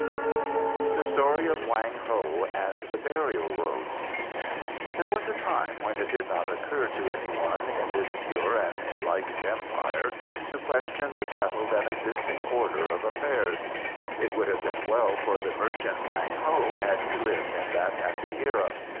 The Story of Wang Ho and the Burial Robe There was a time when it did not occur to anyone in this pure and enlightened Empire to question the settled and existing order of affairs. It would have been well for the merchant Wang Ho had he lived in that happy era.